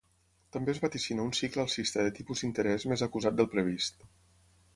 També es vaticina un cicle alcista de tipus d’interès més acusat del previst.